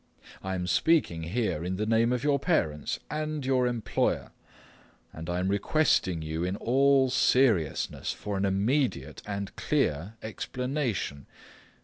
I am speaking here in the name of your parents and your employer, and I am requesting you in all seriousness for an immediate and clear explanation.